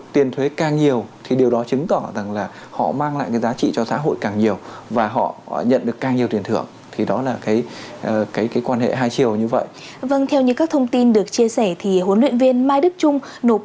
tiền thưởng từ huân chức lao động do nhà nước phong tặng